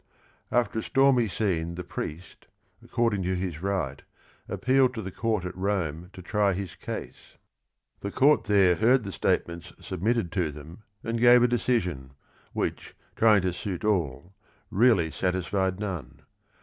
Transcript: After a stormy scene the priest, according to his right, appealed to the court at Rome to try his case. The court there heard the statements submitted to them and gave a decision, which, trying to suit all, 16 THE RING AND THE BOOK really satisfied none.